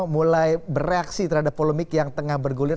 mulai bereaksi terhadap polemik yang tengah bergulir